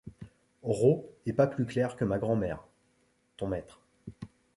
Roh il est pas plus clair que ma grand-mère, ton maître.